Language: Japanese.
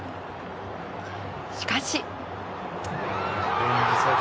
しかし。